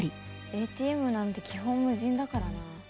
ＡＴＭなんて基本無人だからな。